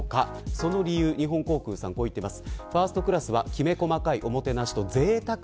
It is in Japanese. その理由を日本航空さんはこう言っています。